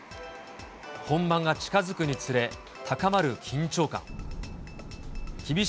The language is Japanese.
本番が近づくにつれ、高まる緊張感。